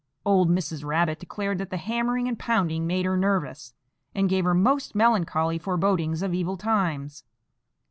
Old Mrs. Rabbit declared that the hammering and pounding made her nervous, and gave her most melancholy forebodings of evil times.